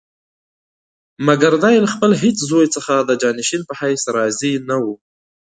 مګر دی له خپل هېڅ زوی څخه د جانشین په حیث راضي نه وو.